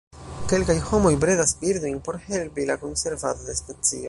Kelkaj homoj bredas birdojn por helpi la konservadon de specio.